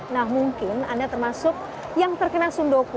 nah mungkin anda termasuk yang terkena sundoku